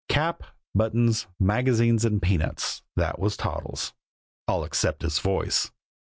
Cap, buttons, magazines and peanuts, that was Toddles all except his voice.